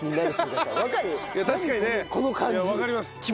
いや確かにね。わかります。